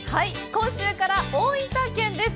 今週から、大分県です！